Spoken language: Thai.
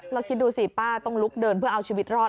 แล้วคิดดูสิป้าต้องลุกเดินเพื่อเอาชีวิตรอด